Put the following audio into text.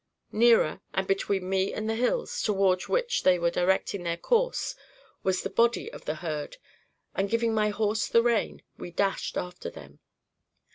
Nearer, and between me and the hills, towards which they were directing their course, was the body of the herd, and giving my horse the rein, we dashed after them.